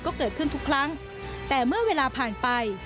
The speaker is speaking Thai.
ก็เกิดขึ้นทุกครั้งแต่เมื่อเวลาผ่านไป